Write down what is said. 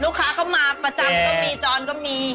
ลูกค้าก็มาประจำก็มีจรก็มี